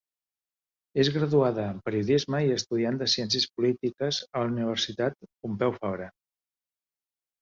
És graduada en Periodisme i estudiant de Ciències Polítiques a la Universitat Pompeu Fabra.